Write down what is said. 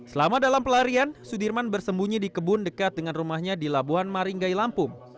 selama dalam pelarian sudirman bersembunyi di kebun dekat dengan rumahnya di labuan maringgai lampung